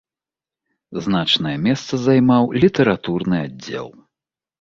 Значнае месца займаў літаратурны аддзел.